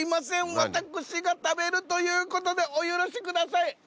私が食べるということでお許しください。